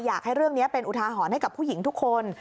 อยากให้เรื่องนี้เป็นอุทาหรณ์ให้กับผู้หญิงทุกคน